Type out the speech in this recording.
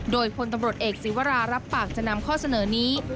โดยพลตำรวจเอกศิวรารับปากจะนำข้อเสนอนี้